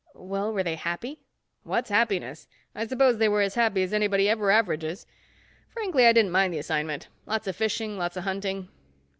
"Well, were they happy?" "What's happiness? I suppose they were as happy as anybody ever averages. Frankly, I didn't mind the assignment. Lots of fishing, lots of hunting."